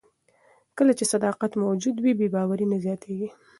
کله چې صداقت موجود وي، بې باوري نه زیاتیږي.